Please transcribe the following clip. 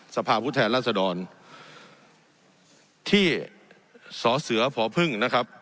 สภาพภูมิแทนรัฐศดรที่สำศือภพภึ้ง